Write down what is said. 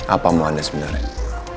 apa mau anda sebenarnya